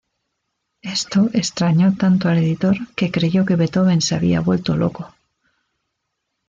Esto extrañó tanto al editor que creyó que Beethoven se había vuelto loco.